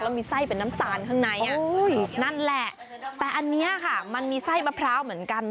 มีไส้เป็นน้ำตาลข้างในนั่นแหละแต่อันนี้ค่ะมันมีไส้มะพร้าวเหมือนกัน